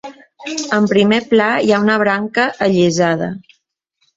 En primer pla hi ha una branca allisada.